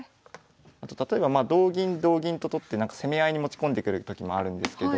あと例えば同銀同銀と取って攻め合いに持ち込んでくるときもあるんですけど。